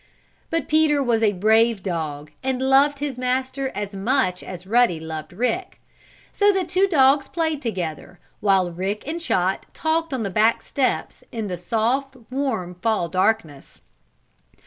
But Peter was a brave dog, and loved his master as much as Ruddy loved Rick. So the two dogs played together, while Rick and Chot talked on the back steps in the soft, warm, fall darkness.